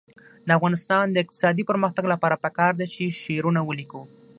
د افغانستان د اقتصادي پرمختګ لپاره پکار ده چې شعرونه ولیکو.